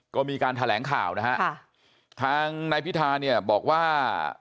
ก็มีการแถลงข่าวทางนายพิทาบอกว่า